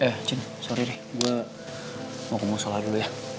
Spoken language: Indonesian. eh cin sorry deh gue mau mau sholat dulu ya